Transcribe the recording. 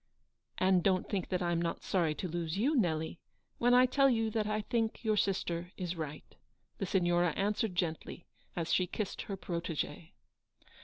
" And don't think that I am not sorry to lose you, Nelly, when I tell you that I think your sister is right," the Signora answered gently, as she kissed her protegee.